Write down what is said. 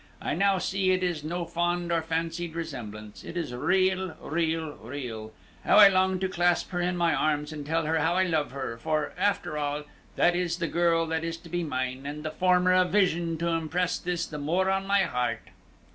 I now see it is no fond or fancied resemblance. It is real! real! real! How I long to clasp her in my arms, and tell her how I love her; for, after all, that is the girl that is to be mine, and the former a vision to impress this the more on my heart."